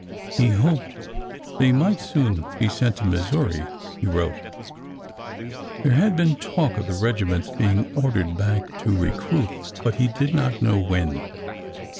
He hoped they might soon be sent to Missouri, he wrote. There had been talk of the regiment's being ordered back to recruit, but he did not know when.